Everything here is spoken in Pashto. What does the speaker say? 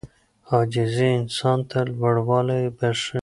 عاجزي انسان ته لوړوالی بښي.